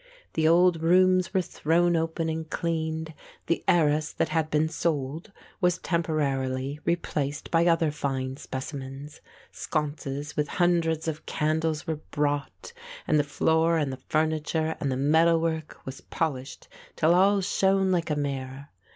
The old rooms were thrown open and cleaned, the arras, that had been sold, was temporarily replaced by other fine specimens. Sconces with hundreds of candles were brought and the floor and the furniture and the metalwork was polished till all shone like a mirror.